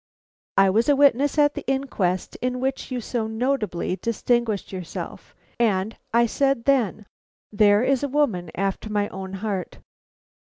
I was a witness at the inquest in which you so notably distinguished yourself, and I said then, 'There is a woman after my own heart!'